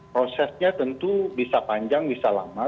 prosesnya tentu bisa panjang bisa lama